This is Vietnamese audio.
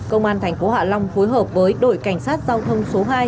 công an tp hạ long phối hợp với đội cảnh sát giao thông số hai